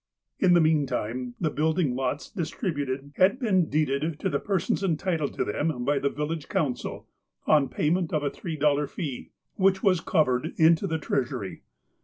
In the meantime, the building lots distributed had been deeded to the persons entitled to them, by the vil lage council, on payment of a three dollar fee, which was covered into the treasury.